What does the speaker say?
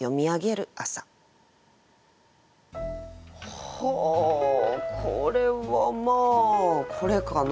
ほうこれはまあこれかな？